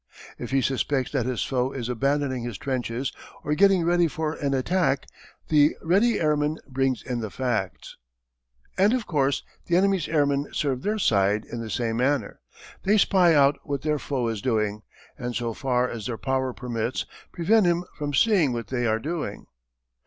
If he suspects that his foe is abandoning his trenches, or getting ready for an attack, the ready airmen bring in the facts. And of course the enemy's airmen serve their side in the same manner. They spy out what their foe is doing, and so far as their power permits prevent him from seeing what they are doing.